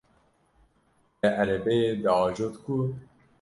Te erebeyê diajot ku?